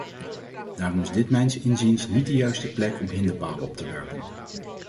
Daarom is dit mijns inziens niet de juiste plek om hinderpalen op te werpen.